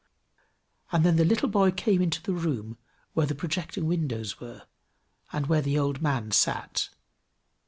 And then the little boy came into the room where the projecting windows were, and where the old man sat.